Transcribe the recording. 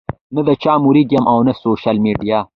نۀ د چا مريد يم او نۀ سوشل ميډيا